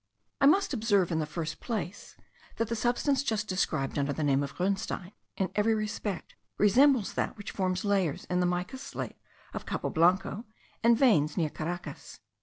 I must observe, in the first place, that the substance just described under the name of grunstein, in every respect resembles that which forms layers in the mica slate of Cabo Blanco, and veins near Caracas.